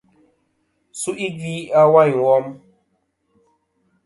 Su'i gvi a wayn wom.